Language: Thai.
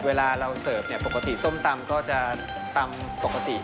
เวลาเราเสิร์ฟเนี่ยปกติส้มตำก็จะตำปกติ